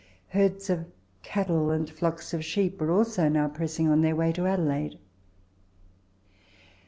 Herds of cattle and flocks of sheep were also now pressing on their way to Adelaide.